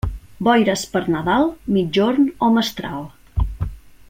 Boires per Nadal, migjorn o mestral.